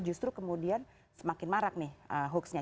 justru kemudian semakin marak nih hoaxnya